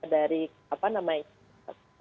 dari apa namanya